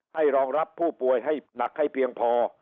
รองรับผู้ป่วยให้หนักให้เพียงพอ